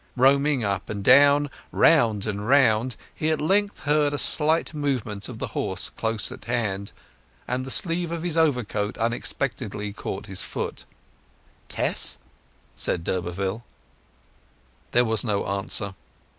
Roaming up and down, round and round, he at length heard a slight movement of the horse close at hand; and the sleeve of his overcoat unexpectedly caught his foot. "Tess!" said d'Urberville. There was no answer.